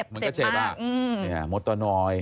มันก็เจ็บมากเนี่ยมดตัวน้อย